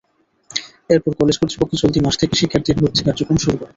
এরপর কলেজ কর্তৃপক্ষ চলতি মাস থেকে শিক্ষার্থী ভর্তির কার্যক্রম শুরু করে।